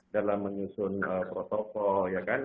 dalam menyusun protokol